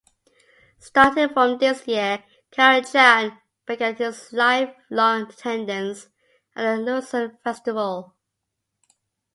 Starting from this year, Karajan began his lifelong attendance at the Lucerne Festival.